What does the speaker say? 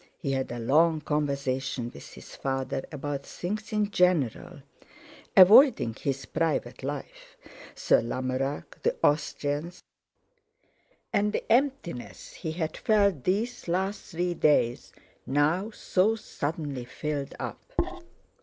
He had a long conversation with his father about things in general, avoiding his private life—Sir Lamorac, the Austrians, and the emptiness he had felt these last three days, now so suddenly filled up.